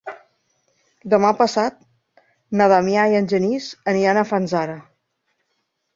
Demà passat na Damià i en Genís aniran a Fanzara.